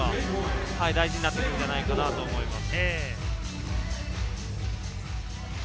大事になってくるんじゃないかなと思います。